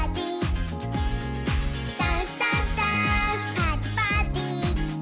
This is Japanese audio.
「パーティパーティ！」